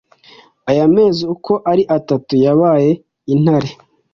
Aya mezi uko ari atatu Yabaye intare